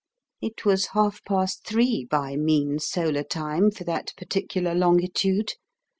It was half past three by mean solar time for that particular longitude.